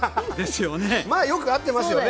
まあよく会ってますよね